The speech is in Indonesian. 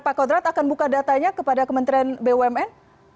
pak kodrat akan buka datanya kepada kementerian bumn